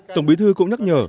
tổng bí thư cũng nhắc nhở